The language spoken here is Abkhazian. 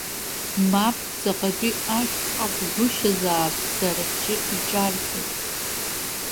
Мап, ҵаҟатәи ашә акәгәышьазаап сара сзы иҿарҵаз!